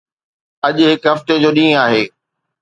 اڄ هڪ هفتي جو ڏينهن آهي.